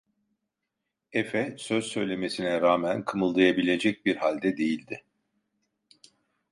Efe söz söylemesine rağmen kımıldayabilecek bir halde değildi.